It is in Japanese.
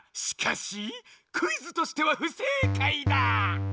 しかしクイズとしてはふせいかいだ！